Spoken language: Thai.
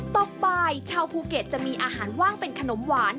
ตกบ่ายชาวภูเก็ตจะมีอาหารว่างเป็นขนมหวาน